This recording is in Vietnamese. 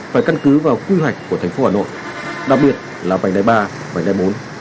phải căn cứ vào quy hoạch của thành phố hà nội đặc biệt là vành đai ba vành đai bốn